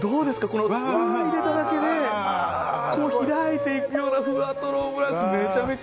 このスプーンを入れただけで開いていくようなふわトロオムライス。